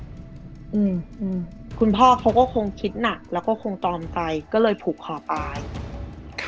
อืมคุณพ่อเขาก็คงคิดหนักแล้วก็คงตอมใจก็เลยผูกคอตายค่ะ